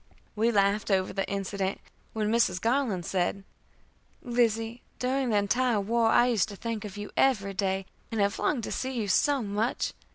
We laughed over the incident, when Mrs. Garland said: "Lizzie, during the entire war I used to think of you every day, and have longed to see you so much.